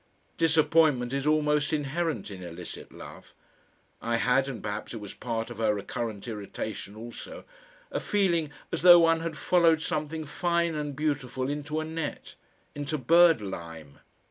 Disappointment is almost inherent in illicit love. I had, and perhaps it was part of her recurrent irritation also, a feeling as though one had followed something fine and beautiful into a net into bird lime!